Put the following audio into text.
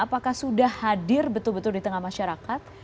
apakah sudah hadir betul betul di tengah masyarakat